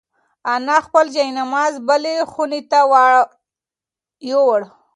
انا خپل جاینماز بلې خونې ته یووړ.